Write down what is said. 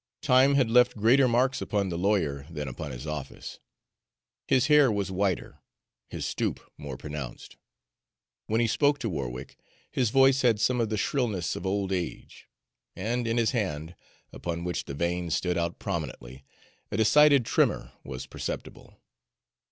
Time had left greater marks upon the lawyer than upon his office. His hair was whiter, his stoop more pronounced; when he spoke to Warwick, his voice had some of the shrillness of old age; and in his hand, upon which the veins stood out prominently, a decided tremor was perceptible.